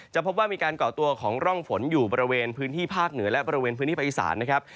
พบว่ามีการก่อตัวของร่องฝนอยู่บริเวณพื้นที่ภาคเหนือและบริเวณพื้นที่ภาคอีสานนะครับ